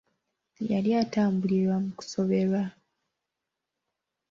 Yali atambulira mu kusoberwa.